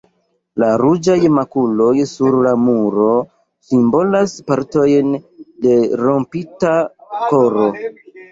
La ruĝaj makuloj sur la muro simbolas partojn de rompita koro.